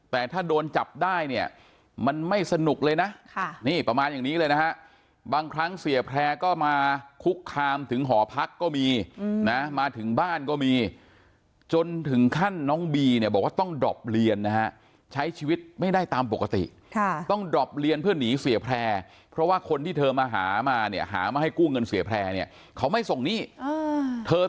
แต่ถ้าโดนจับได้เนี่ยมันไม่สนุกเลยนะค่ะนี่ประมาณอย่างนี้เลยนะฮะบางครั้งเสียแพร่ก็มาคุกคามถึงหอพักก็มีนะมาถึงบ้านก็มีจนถึงขั้นน้องบีเนี่ยบอกว่าต้องดรอบเรียนนะฮะใช้ชีวิตไม่ได้ตามปกติต้องดรอปเรียนเพื่อหนีเสียแพร่เพราะว่าคนที่เธอมาหามาเนี่ยหามาให้กู้เงินเสียแพร่เนี่ยเขาไม่ส่งหนี้เธอ